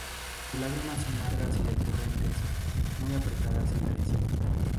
Sus láminas son largas y decurrentes, muy apretadas entre sí.